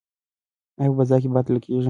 ایا په فضا کې باد لګیږي؟